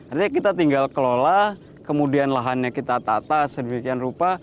artinya kita tinggal kelola kemudian lahannya kita tata sedemikian rupa